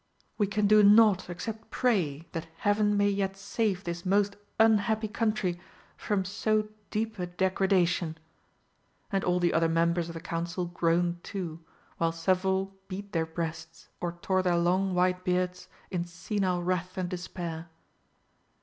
"We can do naught except pray that Heaven may yet save this most unhappy Country from so deep a degradation!" And all the other Members of the Council groaned too, while several beat their breasts or tore their long white beards in senile wrath and despair.